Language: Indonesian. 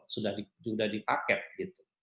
sudah dipaket gitu